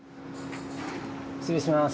失礼します。